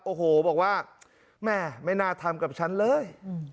โอ้โหบอกว่าแม่ไม่น่าทำกับฉันเลย